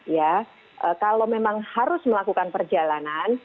ya kalau memang harus melakukan perjalanan